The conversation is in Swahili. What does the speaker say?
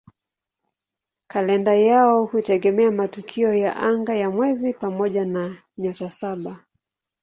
Kalenda yao hutegemea matukio ya anga ya mwezi pamoja na "Nyota Saba".